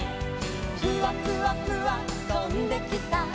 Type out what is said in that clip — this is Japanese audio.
「フワフワフワとんできた」